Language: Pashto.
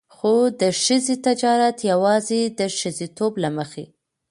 خو د ښځې تجارت يواځې د ښځېتوب له مخې.